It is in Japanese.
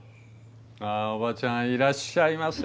あ叔母ちゃんいらっしゃいませ。